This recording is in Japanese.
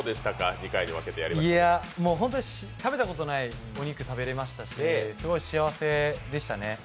本当に食べたことないお肉食べれましたし幸せでしたね。